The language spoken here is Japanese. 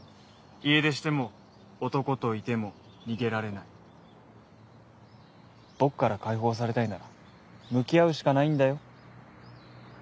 家出しても男といても逃げられない僕から解放されたいなら向き合うしかないんだよ